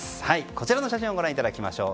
こちらの写真をご覧いただきましょう。